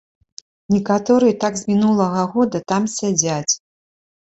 Некаторыя так з мінулага года там сядзяць.